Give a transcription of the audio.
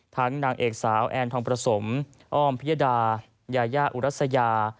นางเอกสาวแอนทองประสมอ้อมพิยดายายาอุรัสยา